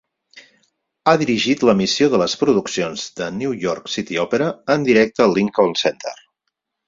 Ha dirigit l"emissió de les produccions de New York City Opera en directe al Lincoln Center.